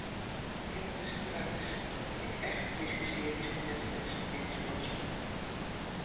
Kinne we straks ek echt Fryske searjes op Netflix bingewatche?